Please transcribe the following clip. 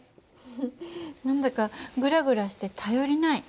フフッ何だかグラグラして頼りない。